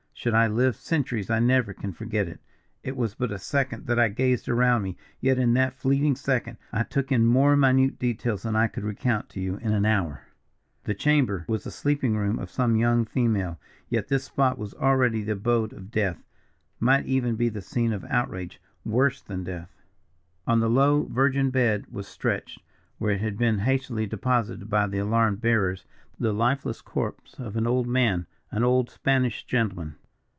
Should I live centuries I never can forget it. It was but a second that I gazed around me; yet in that fleeting second I took in more minute details than I could recount to you in an hour. "The chamber was the sleeping room of some young female. Yet this spot was already the abode of death might even be the scene of outrage worse than death. "On the low, virgin bed was stretched where it had been hastily deposited by the alarmed bearers the lifeless corpse of an old man an old Spanish gentleman.